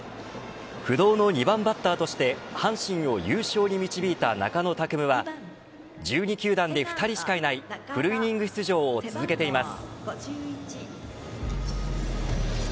不動の２番バッターとして阪神を優勝に導いた中野拓夢は１２球団で２人しかいないフルイニング出場を続けています。